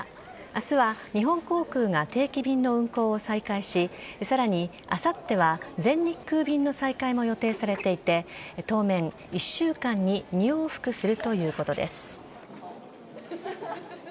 明日は日本航空が定期便の運航を再開しさらに、あさっては全日空便の再開も予定されていて当面、一週間に２往復するということです。